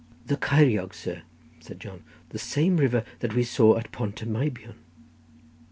"The Ceiriog, sir," said John; "the same river that we saw at Pont y Meibion."